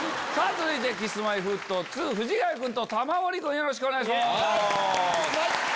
続いてＫｉｓ−Ｍｙ−Ｆｔ２藤ヶ谷君と玉森君お願いします。